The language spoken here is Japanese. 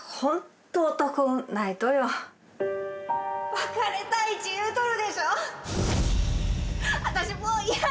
別れたいち言うとるでしょ？